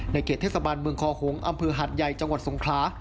เขตเทศบาลเมืองคอหงษ์อำเภอหาดใหญ่จังหวัดสงขลา